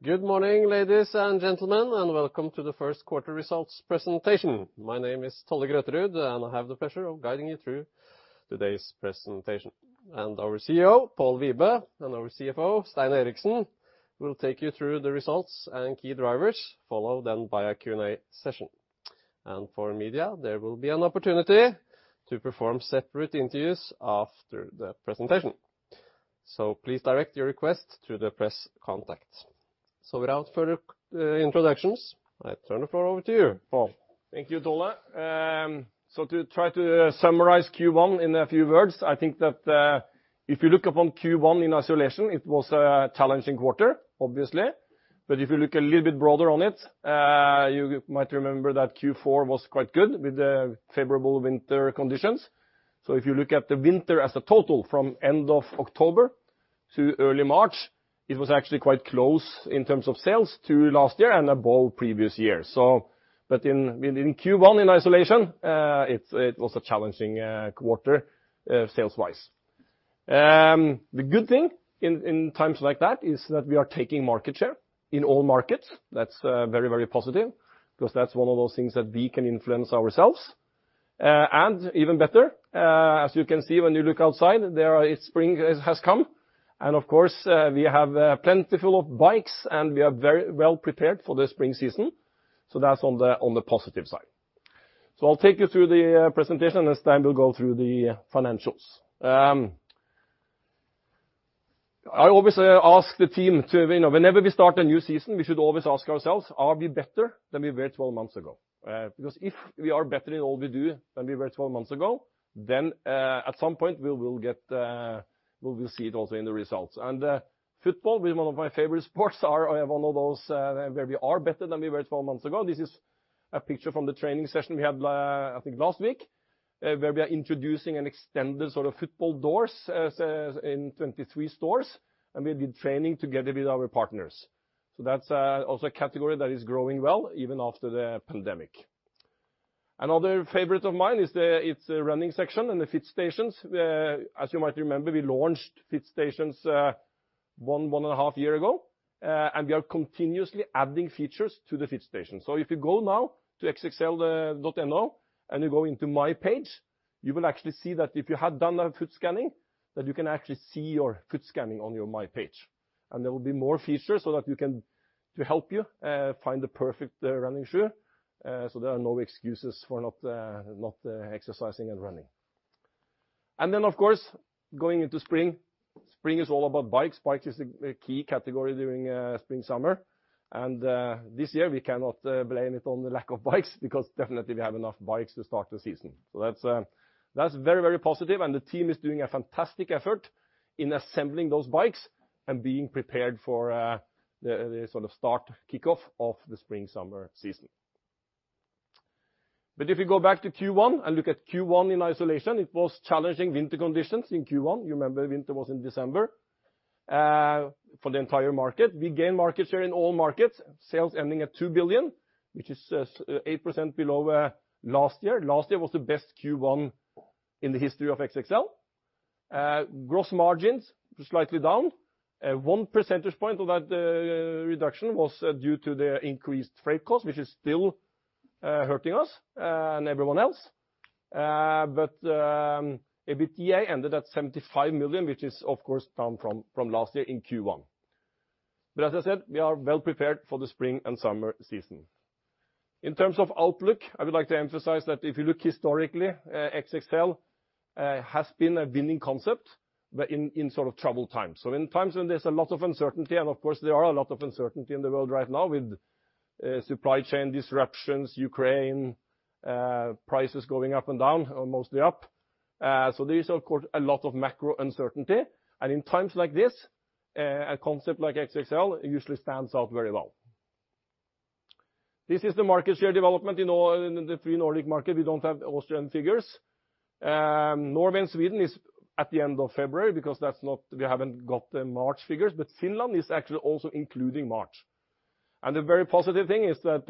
tGood morning, ladies and gentlemen, and welcome to the first quarter results presentation. My name is Tolle Grøterud, and I have the pleasure of guiding you through today's presentation. Our CEO, Pål Wibe, and our CFO, Stein Eriksen, will take you through the results and key drivers, followed then by a Q&A session. For media, there will be an opportunity to perform separate interviews after the presentation. Please direct your request to the press contact. Without further introductions, I turn the floor over to you, Pål. Thank you, Tolle. To try to summarize Q1 in a few words, I think that if you look upon Q1 in isolation, it was a challenging quarter, obviously. If you look a little bit broader on it, you might remember that Q4 was quite good with the favorable winter conditions. If you look at the winter as a total from end of October to early March, it was actually quite close in terms of sales to last year and above previous years. In Q1, in isolation, it was a challenging quarter, sales-wise. The good thing in times like that is that we are taking market share in all markets. That's very, very positive 'cause that's one of those things that we can influence ourselves. Even better, as you can see when you look outside, spring has come. Of course, we have plenty of bikes, and we are very well prepared for the spring season. That's on the positive side. I'll take you through the presentation, and Stein will go through the financials. I always ask the team to, you know, whenever we start a new season, we should always ask ourselves, "Are we better than we were 12 months ago?" Because if we are better in all we do than we were 12 months ago, then at some point, we will get, we will see it also in the results. Football, being one of my favorite sports, are one of those where we are better than we were 12 months ago. This is a picture from the training session we had I think last week, where we are introducing an extended sort of footwear assortment in 23 stores, and we did training together with our partners. That's also a category that is growing well, even after the pandemic. Another favorite of mine is the it's running section and the Fit Stations. As you might remember, we launched Fit Stations one and a half years ago, and we are continuously adding features to the fit station. If you go now to XXL.no and you go into My Page, you will actually see that if you had done a foot scan, that you can actually see your foot scan on your My Page. There will be more features so that you can to help you find the perfect running shoe. There are no excuses for not exercising and running. Then, of course, going into spring is all about bikes. Biking is a key category during spring/summer. This year we cannot blame it on the lack of bikes because definitely we have enough bikes to start the season. That's very positive, and the team is doing a fantastic effort in assembling those bikes and being prepared for the sort of start, kickoff of the spring/summer season. If you go back to Q1 and look at Q1 in isolation, it was challenging winter conditions in Q1. You remember winter was in December for the entire market. We gained market share in all markets, sales ending at 2 billion, which is 8% below last year. Last year was the best Q1 in the history of XXL. Gross margins slightly down. One percentage point of that reduction was due to the increased freight cost, which is still hurting us and everyone else. EBITDA ended at 75 million, which is, of course, down from last year in Q1. As I said, we are well-prepared for the spring and summer season. In terms of outlook, I would like to emphasize that if you look historically, XXL has been a winning concept, but in sort of troubled times. In times when there's a lot of uncertainty, and of course, there are a lot of uncertainty in the world right now with supply chain disruptions, Ukraine, prices going up and down or mostly up. There is of course a lot of macro uncertainty. In times like this, a concept like XXL usually stands out very well. This is the market share development in the three Nordic markets. We don't have Austrian figures. Norway and Sweden is at the end of February because we haven't got the March figures, but Finland is actually also including March. The very positive thing is that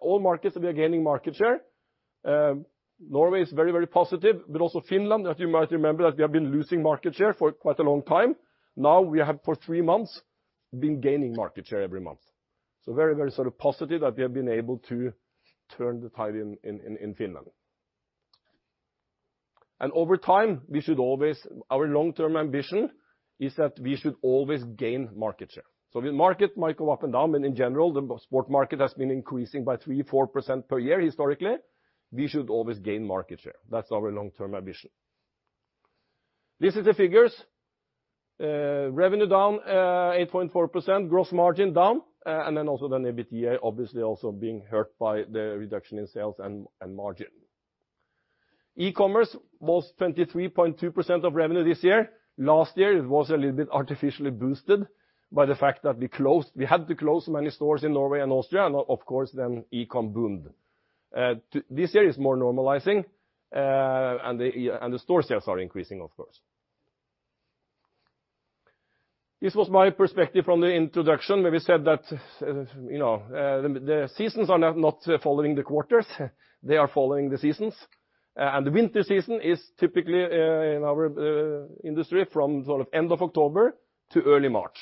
all markets will be gaining market share. Norway is very, very positive, but also Finland, that you might remember that we have been losing market share for quite a long time. Now, we have for 3 months been gaining market share every month. Very, very sort of positive that we have been able to turn the tide in Finland. Over time, we should always Our long-term ambition is that we should always gain market share. The market might go up and down, but in general, the sports market has been increasing by 3–4% per year historically. We should always gain market share. That's our long-term ambition. This is the figures. Revenue down 8.4%. Gross margin down. And then also the EBITDA obviously also being hurt by the reduction in sales and margin. E-commerce was 23.2% of revenue this year. Last year, it was a little bit artificially boosted by the fact that we had to close many stores in Norway and Austria, and of course, then e-com boomed. This year is more normalizing, and the store sales are increasing, of course. This was my perspective from the introduction. We said that, you know, the seasons are not following the quarters, they are following the seasons. The winter season is typically in our industry from sort of end of October to early March.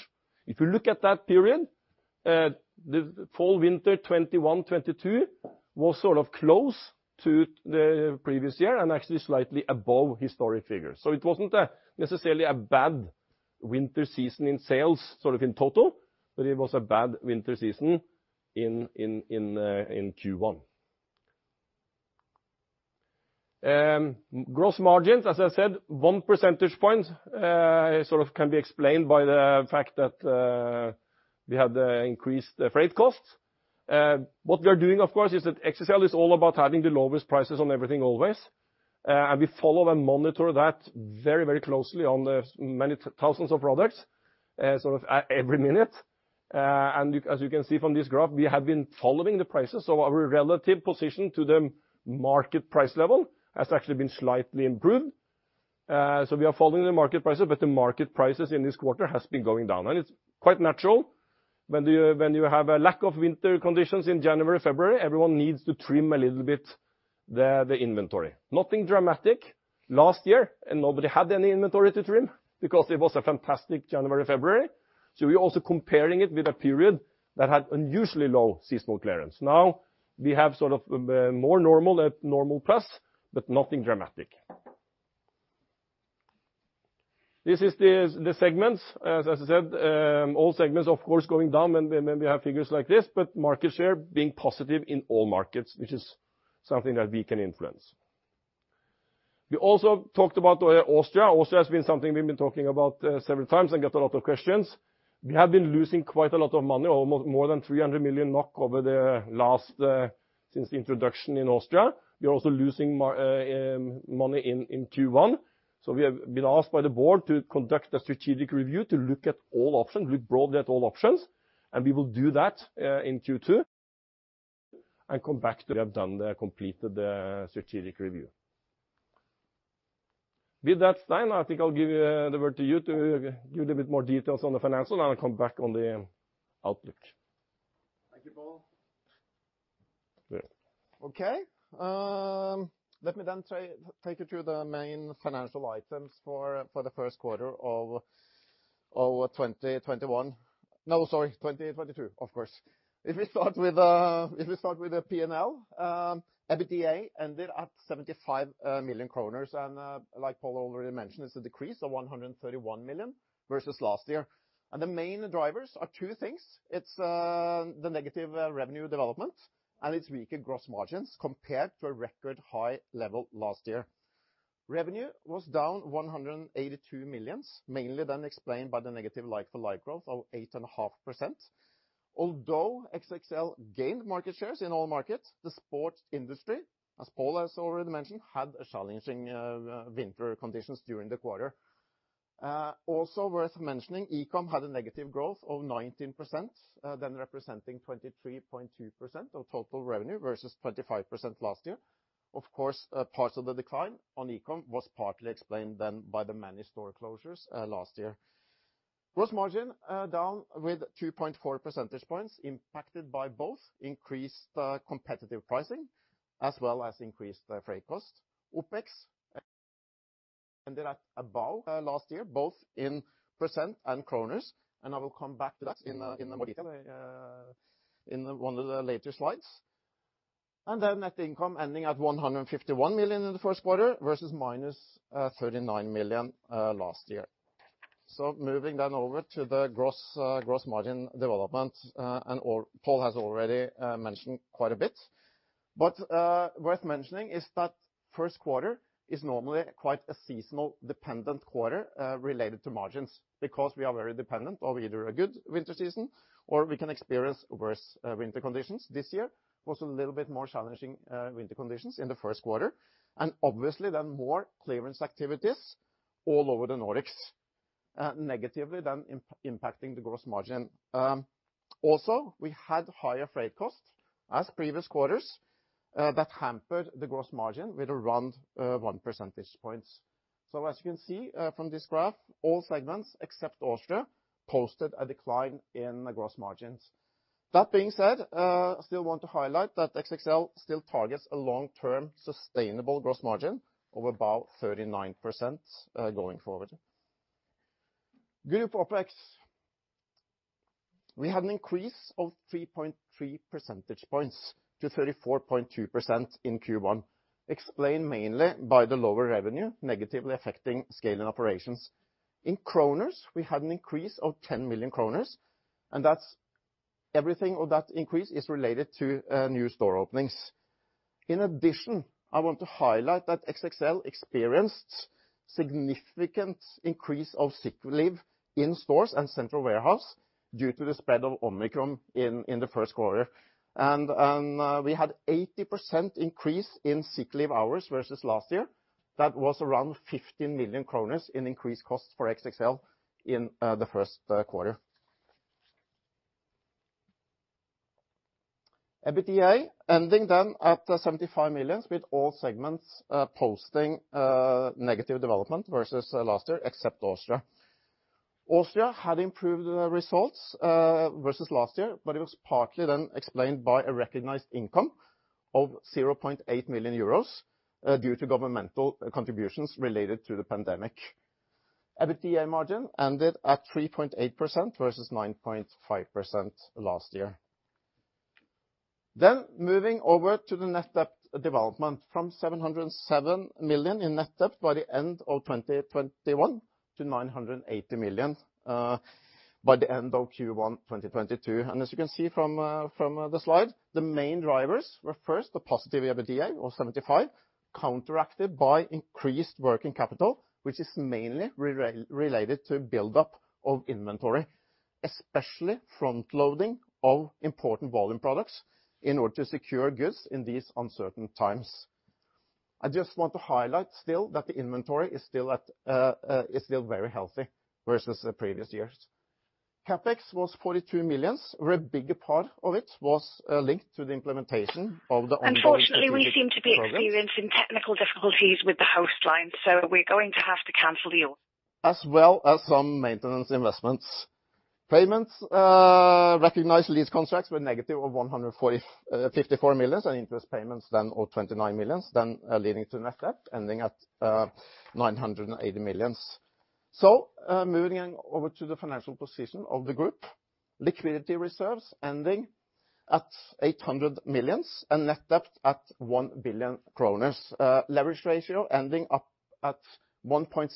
If you look at that period, the fall/winter 2021-2022 was sort of close to the previous year and actually slightly above historic figures. It wasn't necessarily a bad winter season in sales sort of in total, but it was a bad winter season in Q1. Gross margins, as I said, 1 percentage point sort of can be explained by the fact that we had the increased freight costs. What we are doing, of course, is that XXL is all about having the lowest prices on everything always, and we follow and monitor that very, very closely on the many thousands of products, sort of every minute. As you can see from this graph, we have been following the prices of our relative position to the market price level has actually been slightly improved. We are following the market prices, but the market prices in this quarter has been going down and it's quite natural. When you have a lack of winter conditions in January, February, everyone needs to trim a little bit the inventory. Nothing dramatic last year, and nobody had any inventory to trim because it was a fantastic January, February. We're also comparing it with a period that had unusually low seasonal clearance. Now we have sort of more normal at normal plus, but nothing dramatic. This is the segments, as I said, all segments, of course, going down and then we have figures like this, but market share being positive in all markets, which is something that we can influence. We also talked about Austria. Austria has been something we've been talking about several times and we get a lot of questions. We have been losing quite a lot of money, almost more than 300 million over the last since the introduction in Austria. We are also losing money in Q1. We have been asked by the board to conduct a strategic review to look at all options, look broadly at all options, and we will do that in Q2 and come back to we have completed the strategic review. With that, Stein, I think I'll give the word to you to give a bit more details on the financials and I'll come back on the outlook. Thank you, Pål. Yeah. Okay. Let me take you through the main financial items for the first quarter of 2021. No, sorry, 2022, of course. If we start with the P&L, EBITDA ended at 75 million kroner. Like Pål already mentioned, it's a decrease of 131 million versus last year. The main drivers are two things. It's the negative revenue development, and it's weaker gross margins compared to a record high level last year. Revenue was down 182 million, mainly then explained by the negative like-for-like growth of 8.5%. Although XXL gained market share in all markets, the sports industry, as Pål has already mentioned, had challenging winter conditions during the quarter. Also worth mentioning, e-com had a negative growth of 19%, then representing 23.2% of total revenue versus 25% last year. Of course, parts of the decline on e-com was partly explained then by the many store closures last year. Gross margin down with 2.4 percentage points impacted by both increased competitive pricing as well as increased freight cost. OpEx ended above last year, both in percent and NOK, and I will come back to that in the detail in one of the later slides. Net income ending at 151 million in the first quarter versus -39 million last year. Moving over to the gross margin development, and Pål has already mentioned quite a bit. Worth mentioning is that first quarter is normally quite a seasonally dependent quarter, related to margins because we are very dependent on either a good winter season or we can experience worse, winter conditions. This year was a little bit more challenging, winter conditions in the first quarter. Obviously then more clearance activities all over the Nordics, negatively then impacting the gross margin. Also we had higher freight costs than previous quarters, that hampered the gross margin with around, one percentage point. As you can see, from this graph, all segments except Austria posted a decline in the gross margins. That being said, I still want to highlight that XXL still targets a long-term sustainable gross margin of about 39%, going forward. Group OpEx, we had an increase of 3.3 percentage points to 34.2% in Q1, explained mainly by the lower revenue negatively affecting scale and operations. In kroner, we had an increase of 10 million kroner, and that's everything of that increase is related to new store openings. In addition, I want to highlight that XXL experienced significant increase of sick leave in stores and central warehouse due to the spread of Omicron in the first quarter. We had 80% increase in sick leave hours versus last year. That was around 15 million kroner in increased costs for XXL in the first quarter. EBITDA ending at 75 million with all segments posting negative development versus last year, except Austria. Austria had improved the results versus last year, but it was partly explained by a recognized income of 0.8 million euros due to governmental contributions related to the pandemic. EBITDA margin ended at 3.8% versus 9.5% last year. Moving over to the net debt development from 707 million in net debt by the end of 2021 to 980 million by the end of Q1 2022. As you can see from the slide, the main drivers were first the positive EBITDA of 75 million, counteracted by increased working capital, which is mainly related to build-up of inventory, especially front-loading of important volume products in order to secure goods in these uncertain times. I just want to highlight still that the inventory is still very healthy versus the previous years. CapEx was 42 million, where a bigger part of it was linked to the implementation of the ongoing as well as some maintenance investments. Payments recognized lease contracts were negative of 154 million and interest payments then of 29 million, then leading to net debt ending at 980 million. Moving over to the financial position of the group. Liquidity reserves ending at 800 million and net debt at 1 billion kroner. Leverage ratio ending up at 1.6,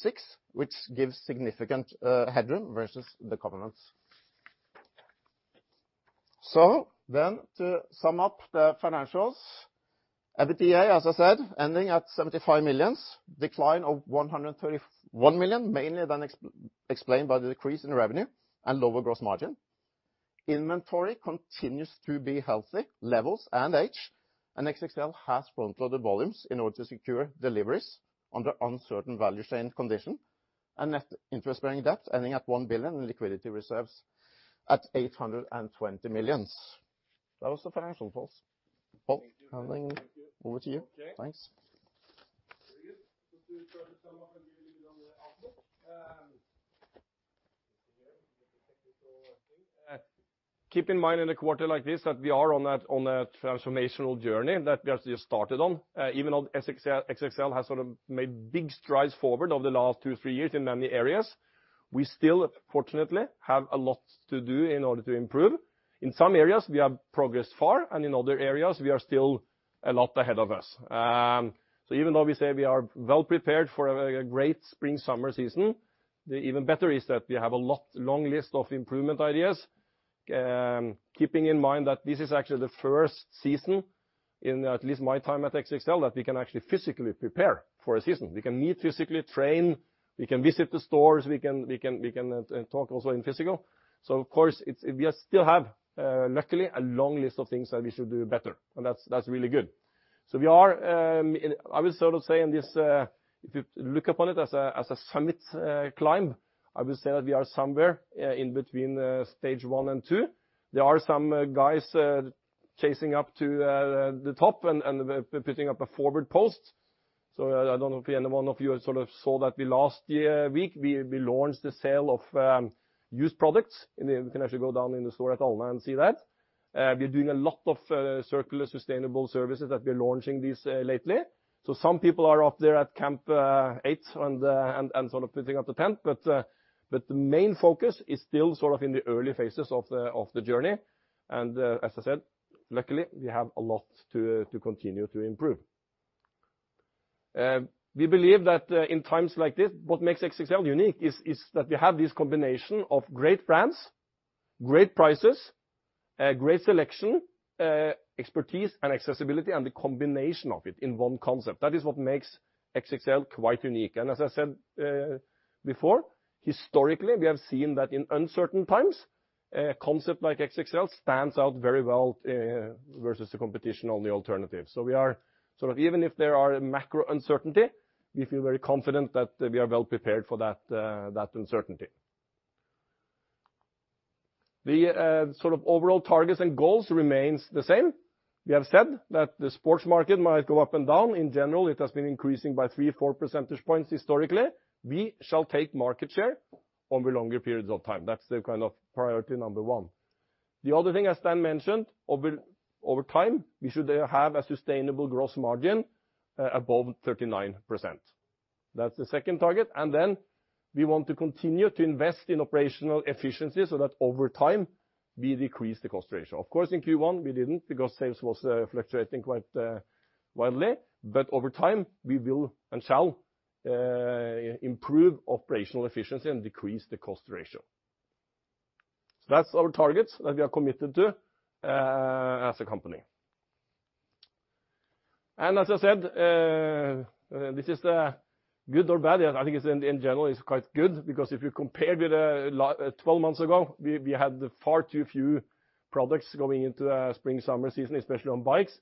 which gives significant headroom versus the covenants. To sum up the financials, EBITDA, as I said, ending at 75 million, decline of 131 million, mainly explained by the decrease in revenue and lower gross margin. Inventory continues to be healthy levels and age, and XXL has front-loaded volumes in order to secure deliveries under uncertain value chain condition. Net interest-bearing debt ending at 1 billion and liquidity reserves at 820 million. That was the financial thoughts. Pål- Thank you. Handing over to you. Okay. Thanks. Very good. Just to sort of sum up and give you a little bit on the outlook. Keep in mind in a quarter like this that we are on a transformational journey that we have just started on. Even though XXL has sort of made big strides forward over the last two, three years in many areas, we still fortunately have a lot to do in order to improve. In some areas, we have progressed far, and in other areas, we are still a lot ahead of us. Even though we say we are well-prepared for a great spring-summer season, the even better is that we have a long list of improvement ideas. Keeping in mind that this is actually the first season in at least my time at XXL that we can actually physically prepare for a season. We can meet physically, train, visit the stores, talk also in physical. Of course, we still have luckily a long list of things that we should do better, and that's really good. We are in this. I would sort of say if you look upon it as a summit climb. I would say that we are somewhere in between stage one and two. There are some guys catching up to the top and putting up a forward post. I don't know if any one of you has sort of seen that last week we launched the sale of used products. You can actually go down in the store at Alna and see that. We're doing a lot of circular sustainable services that we're launching these lately. Some people are up there at Camp Eight and sort of putting up the tent. The main focus is still sort of in the early phases of the journey. As I said, luckily, we have a lot to continue to improve. We believe that in times like this, what makes XXL unique is that we have this combination of great brands, great prices, great selection, expertise and accessibility, and the combination of it in one concept. That is what makes XXL quite unique. As I said before, historically, we have seen that in uncertain times, a concept like XXL stands out very well versus the competition on the alternative. We are sort of even if there are macro uncertainty, we feel very confident that we are well prepared for that uncertainty. The sort of overall targets and goals remains the same. We have said that the sports market might go up and down. In general, it has been increasing by 3-4 percentage points historically. We shall take market share over longer periods of time. That's the kind of priority number one. The other thing, as Stein mentioned, over time, we should have a sustainable gross margin above 39%. That's the second target. Then we want to continue to invest in operational efficiency so that over time, we decrease the cost ratio. Of course, in Q1, we didn't because sales was fluctuating quite widely. Over time, we will and shall improve operational efficiency and decrease the cost ratio. That's our targets that we are committed to as a company. As I said, this is good or bad. I think it's in general, it's quite good because if you compare with 12 months ago, we had far too few products going into a spring-summer season, especially on bikes.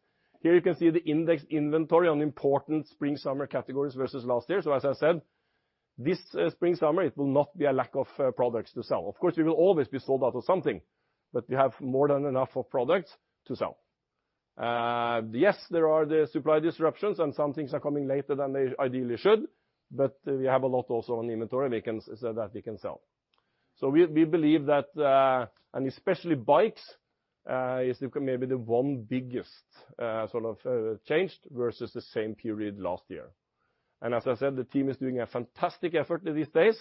Here you can see the index inventory on important spring-summer categories versus last year. As I said, this spring-summer, it will not be a lack of products to sell. Of course, we will always be sold out of something, but we have more than enough of products to sell. Yes, there are the supply disruptions and some things are coming later than they ideally should, but we have a lot also on inventory we can sell. We believe that, and especially bikes, is maybe the one biggest sort of change versus the same period last year. As I said, the team is doing a fantastic effort these days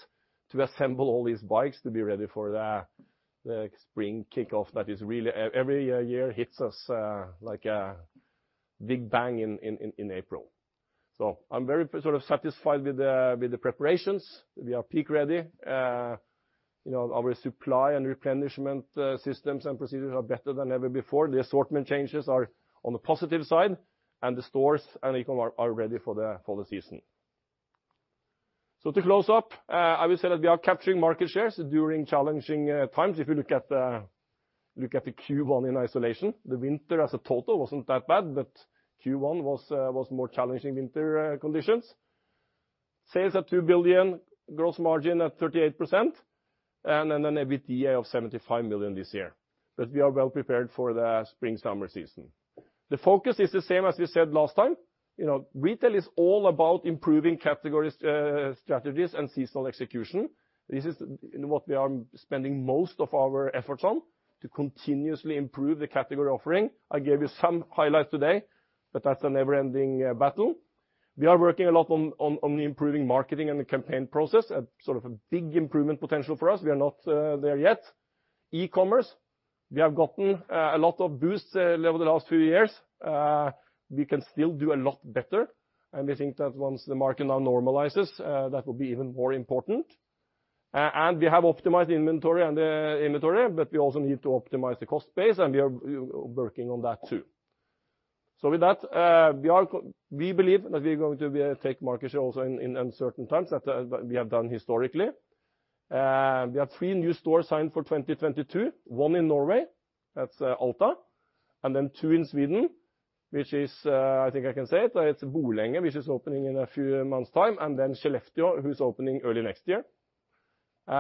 to assemble all these bikes to be ready for the spring kickoff that is really every year hits us like a big bang in April. I'm very sort of satisfied with the preparations. We are peak ready. You know, our supply and replenishment systems and procedures are better than ever before. The assortment changes are on the positive side, and the stores and e-com are ready for the season. To close up, I will say that we are capturing market shares during challenging times. If you look at the Q1 in isolation, the winter as a total wasn't that bad, but Q1 was more challenging winter conditions. Sales at 2 billion, gross margin at 38%, and then an EBITDA of 75 million this year. We are well prepared for the spring-summer season. The focus is the same as we said last time. You know, retail is all about improving categories, strategies and seasonal execution. This is what we are spending most of our efforts on, to continuously improve the category offering. I gave you some highlights today, but that's a never-ending battle. We are working a lot on improving marketing and the campaign process. A sort of a big improvement potential for us. We are not there yet. E-commerce, we have gotten a lot of boosts over the last few years. We can still do a lot better, and we think that once the market now normalizes, that will be even more important. We have optimized the inventory, but we also need to optimize the cost base, and we are working on that too. With that, we believe that we are going to take market share also in uncertain times, that we have done historically. We have three new stores signed for 2022, one in Norway, that's Alta, and then two in Sweden, which is, I think I can say it's Borlänge, which is opening in a few months' time, and then Skellefteå, who's opening early next year. We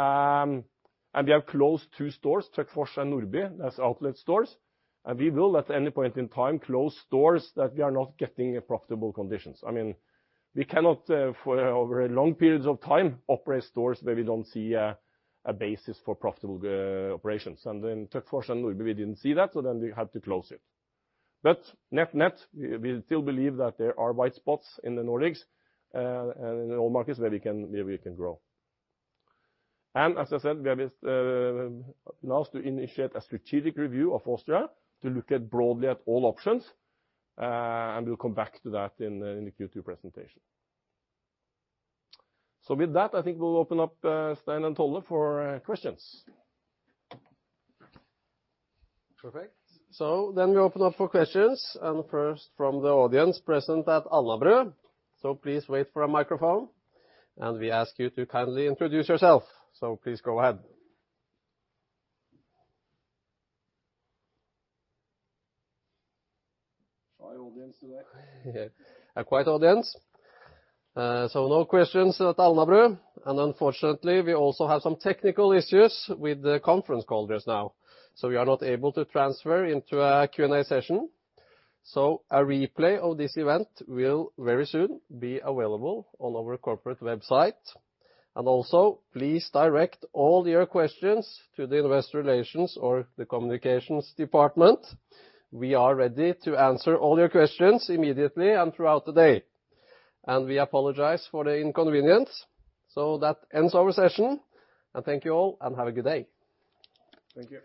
have closed two stores, Töcksfors and Nordby, as outlet stores. We will, at any point in time, close stores that we are not getting profitable conditions. I mean, we cannot for over long periods of time operate stores where we don't see a basis for profitable operations. In Töcksfors and Nordby we didn't see that, so then we had to close it. Net-net, we still believe that there are white spots in the Nordics, and in all markets where we can grow. As I said, we have launched to initiate a strategic review of Austria to look broadly at all options, and we'll come back to that in the Q2 presentation. With that, I think we'll open up Stein and Tolle for questions. Perfect. We open up for questions and first from the audience present at Alnabru. Please wait for a microphone, and we ask you to kindly introduce yourself. Please go ahead. Shy audience today. A quiet audience. No questions at Alnabru. Unfortunately, we also have some technical issues with the conference callers now. We are not able to transfer into a Q&A session. A replay of this event will very soon be available on our corporate website. Also, please direct all your questions to the Investor Relations or the Communications department. We are ready to answer all your questions immediately and throughout the day. We apologize for the inconvenience. That ends our session. Thank you all, and have a good day. Thank you.